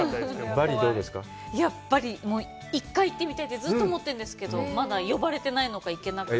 バリ、１回行ってみたいってずっと思ってるんですけど、まだ呼ばれてないのか、行けなくて。